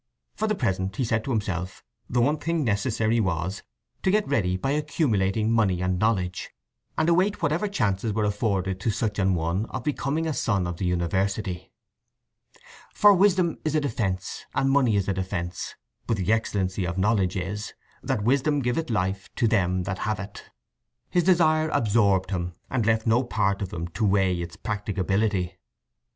For the present, he said to himself, the one thing necessary was to get ready by accumulating money and knowledge, and await whatever chances were afforded to such an one of becoming a son of the University. "For wisdom is a defence, and money is a defence; but the excellency of knowledge is, that wisdom giveth life to them that have it." His desire absorbed him, and left no part of him to weigh its practicability.